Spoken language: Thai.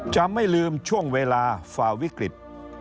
จะไม่ลืมช่วงเวลาฝ่าวิกฤต